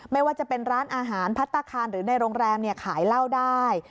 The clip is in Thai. ไม่ว่าจะเป็นร้านอาหารพัฒนาคารหรือในโรงแรมขายเหล้าได้